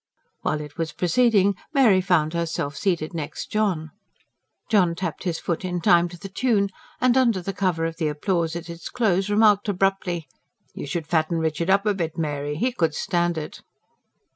While it was proceeding, Mary found herself seated next John. John tapped his foot in time to the tune; and under cover of the applause at its close remarked abruptly: "You should fatten Richard up a bit, Mary. He could stand it."